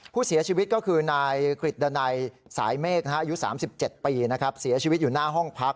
ผู้เสียชีวิตก็คือนายกริดดาไนสายเมฆนะฮะอายุสามสิบเจ็ดปีนะครับเสียชีวิตอยู่หน้าห้องพัก